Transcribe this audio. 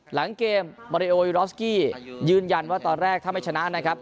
หลังเกมมาริโอยูรอสกี้ยืนยันว่าตอนแรกถ้าไม่ชนะนะครับ